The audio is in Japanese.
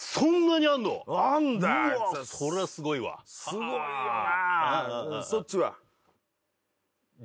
すごいよな。